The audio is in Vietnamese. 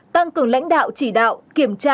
một tăng cường lãnh đạo chỉ đạo kiểm tra